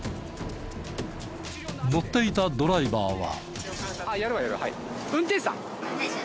乗っていたドライバーは。